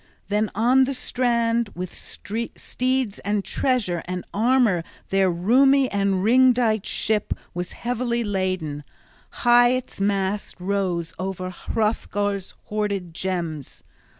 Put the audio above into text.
Then on the strand, with steeds and treasure and armor their roomy and ring dight ship was heavily laden: high its mast rose over Hrothgar's hoarded gems.